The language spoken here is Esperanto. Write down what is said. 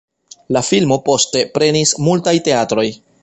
La filmo poste prenis multaj teatroj.